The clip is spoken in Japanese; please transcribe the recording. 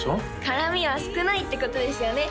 辛みは少ないってことですよね